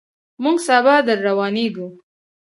موږ سبا درروانېږو.